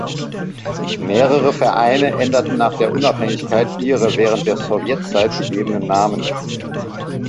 Mehrere Vereine änderten nach der Unabhängigkeit ihre während der Sowjetzeit gegebenen Namen.